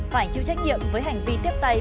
phải chịu trách nhiệm với hành vi tiếp tay